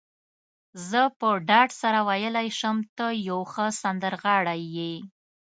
زه په ډاډ سره ویلای شم، ته یو ښه سندرغاړی يې.